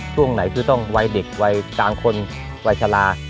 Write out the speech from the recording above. ช่วงไหนคือต้องวัยเด็กวัยกลางคนวัยชะลา